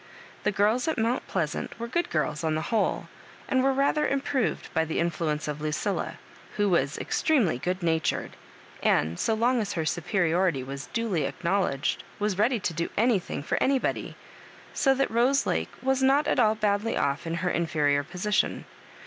The girls at Mount Pleasant were good girls on the whole, and were rather improved by the influence of Lucilla^ who was extremely good natured, and, so long as her superiority waa duly acknowledged, was ready to do anything for anybody — so that Rose Lake was not at all badly off in her inferior position.